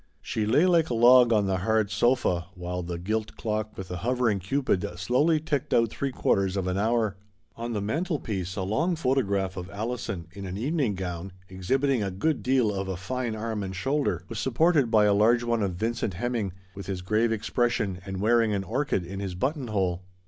She lay like a log on the hard sofa, while the gilt clock with the hovering Cupid slowly ticked out three quarters of an hour. On the mantelpiece a long photograph of Alison, in a smart evening gown exhibiting a good deal of a fine arm and shoulder, was supported by a large one of Vincent Hem 112 THE STORY OF A MODERN WOMAN. ming, with his grave and pose expression, and wearing an orchid in his button hole.